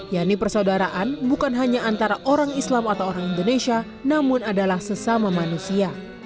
yakni persaudaraan bukan hanya antara orang islam atau orang indonesia namun adalah sesama manusia